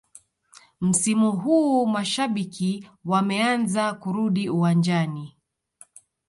msimu huu mashabiki wameanza kurudi uwanjani